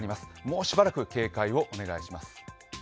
もうしばらく警戒をお願いします。